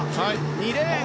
２レーン